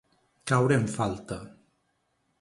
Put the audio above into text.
Caure en falta.